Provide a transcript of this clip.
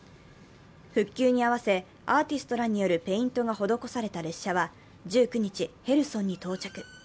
復旧に合わせ、アーティストらによるペイントが施された列車は１９日、ヘルソンに到着。